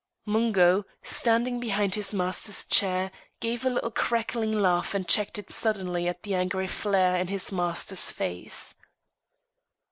Mungo, standing behind his master's chair, gave a little crackling laugh and checked it suddenly at the angry flare in his master's face.